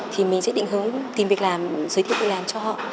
thì mình sẽ định hướng tìm việc làm giới thiệu việc làm cho họ